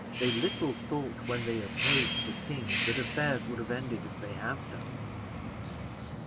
They little thought, when they opposed the king, that affairs would have ended as they have done.